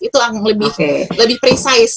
itu yang lebih precise